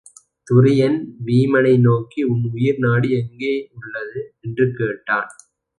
துரியன் வீமனை நோக்கி உன் உயிர் நாடி எங்கே உள்ளது? என்று கேட்டான்.